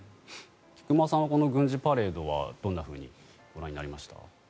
菊間さんはこの軍事パレードはどんなふうにご覧になりました？